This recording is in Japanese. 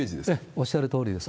おっしゃるとおりです。